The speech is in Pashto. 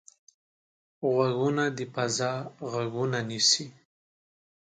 غوږونه د فضا غږونه نیسي